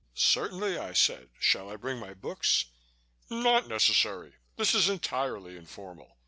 "Certainly," I said. "Shall I bring my books?" "Not necessary. This is entirely informal.